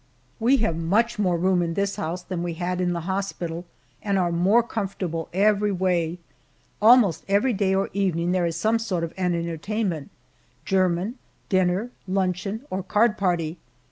We have much more room in this house than we had in the hospital, and are more comfortable every way. Almost every day or evening there is some sort of an entertainment german, dinner, luncheon, or card party.